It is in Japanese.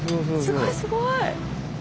すごいすごい！